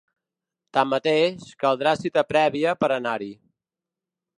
Tanmateix, caldrà cita prèvia per a anar-hi.